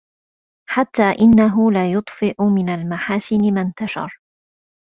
حَتَّى إنَّهُ لَيُطْفِئَ مِنْ الْمَحَاسِنِ مَا انْتَشَرَ